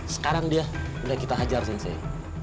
sekarang dia udah kita hajar sih